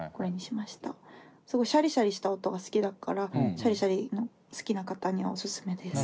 すごいシャリシャリした音が好きだからシャリシャリの好きな方におすすめです。